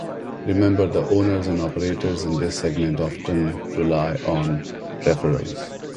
Remember the owners and operators in this segment often rely on referrals.